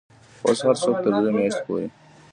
پوځ هر څوک تر دریو میاشتو پورې